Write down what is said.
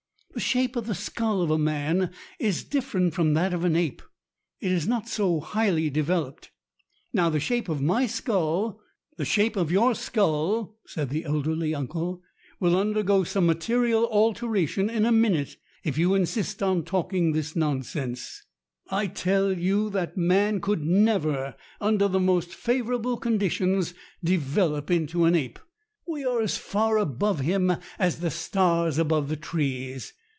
The shape of the skull of a man is different from that of an ape. It is not so highly developed. Now the shape of my skull " "The shape of your skull," said the elderly uncle, "will undergo some material alteration in a minute if you insist on talking this nonsense. I tell you that man could never, under the most favorable condi tions, develop into an ape. We are as far above him as the stars above the trees.